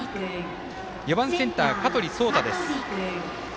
４番センター、香取蒼太です。